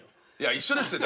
一緒ですよ